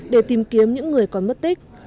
để tìm kiếm những người còn mất tích